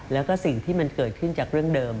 แล้วก็สิ่งที่มันเกิดขึ้นจากเรื่องเดิม